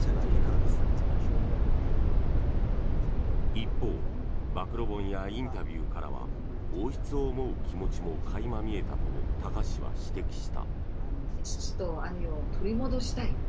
一方暴露本やインタビューからは王室を思う気持ちも垣間見えたと多賀氏は指摘した。